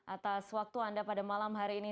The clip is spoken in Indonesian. atas waktu anda pada malam hari ini